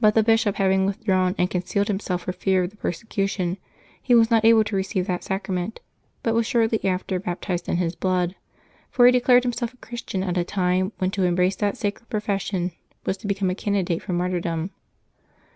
But the bishop having withdrawn and concealed himself for fear of the persecution, he was not able to receive that sacrament, but was shortly after baptized in his blood ; for he declared himself a Christian at a time when to embrace that sacred profession was to become a candidate for martyrdom.